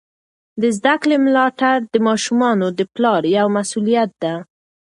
د زده کړې ملاتړ د ماشومانو د پلار یوه مسؤلیت ده.